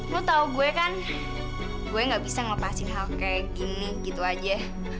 lu tahu gue kan gue gak bisa ngelepasin hal kayak gini gitu aja